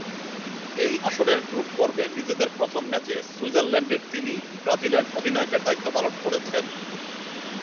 এই আসরের গ্রুপ পর্বে নিজেদের প্রথম ম্যাচে সুইজারল্যান্ডের তিনি ব্রাজিলের অধিনায়কের দায়িত্ব পালন করেছেন।